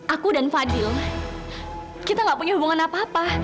aku dan fadil kita gak punya hubungan apa apa